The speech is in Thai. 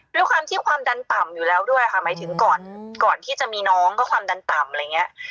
ด้วยความที่ความดันต่ำอยู่แล้วด้วยค่ะหมายถึงก่อนที่จะมีน้องก็ความดันต่ำอะไรอย่างนี้